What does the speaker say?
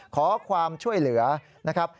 ขอความช่วยเหลือนะครับ